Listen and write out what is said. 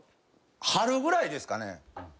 春ぐらいですかね